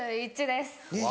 ２１です。